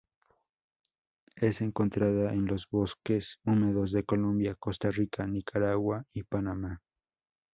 Es encontrada en los bosques húmedos de Colombia, Costa Rica, Nicaragua, y Panamá.